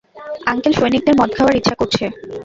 Uncle, সৈনিকদের মদ খাওয়ার ইচ্ছা করছে।